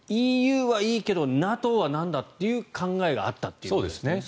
ＥＵはいいけどＮＡＴＯはなんだという考えたあったということですね。